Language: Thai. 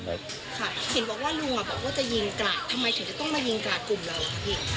เห็นบอกว่าลุงบอกว่าจะยิงกราดทำไมถึงจะต้องมายิงกราดกลุ่มเราคะพี่